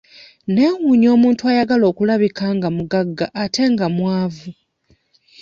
Neewuunya omuntu ayagala okulabika nga omugagga ate nga mwavu.